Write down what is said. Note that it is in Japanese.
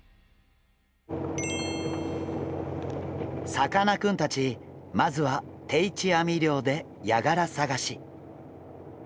さかなクンたちまずは定置網漁でヤガラ探し。